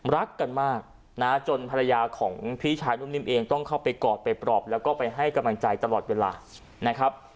รักกันมากนะจนภรรยาของพี่ชายนุ่มนิ่มเองต้องเข้าไปกอดไปปลอบแล้วก็ไปให้กำลังใจตลอดเวลานะครับ